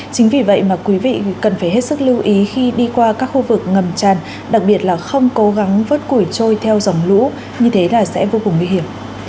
chính vì vậy mà quý vị cần phải hết sức lưu ý khi đi qua các khu vực ngầm tràn đặc biệt là không cố gắng vớt củi trôi theo dòng lũ như thế là sẽ vô cùng nguy hiểm